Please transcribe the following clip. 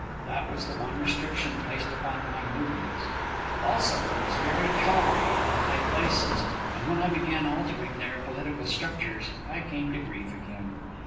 That was the one restriction placed upon my movements. "Also, it is very tottery in the high places, and when I began altering their political structures I came to grief again.